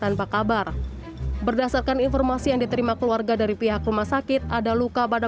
tanpa kabar berdasarkan informasi yang diterima keluarga dari pihak rumah sakit ada luka pada